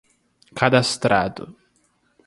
cadastrado